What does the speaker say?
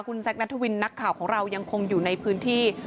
คุณแซคนัทวินนักข่าวของเรายังคงอยู่ในพื้นที่